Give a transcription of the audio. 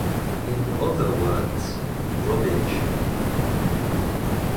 In other words, rubbage.